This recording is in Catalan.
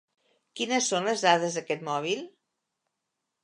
Quines són les dades d'aquest mòbil?